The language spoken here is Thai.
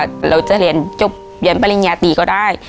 เราจะเรียนจบเรียนปริญญาตรีก็ได้